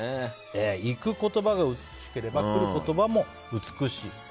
行く言葉が美しければ来る言葉も美しい。